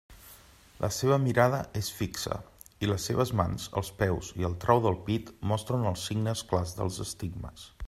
La seva mirada és fi xa, i les seves mans, els peus i el trau del pit mostren els signes clars dels estigmes.